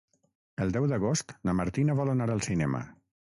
El deu d'agost na Martina vol anar al cinema.